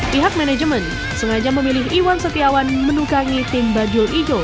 pihak manajemen sengaja memilih iwan setiawan menukangi tim bajul igo